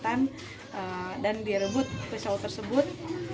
tidak ada peringatan dan direbut pisau tersebut